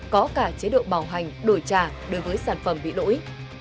có cả chế độ bảo hành đổi trả đối với sản phẩm bị lỗi